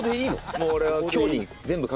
「もう俺は」